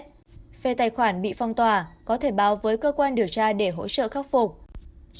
phê tài khoản bị phong tòa có thể báo với cơ quan điều tra để hỗ trợ khắc phục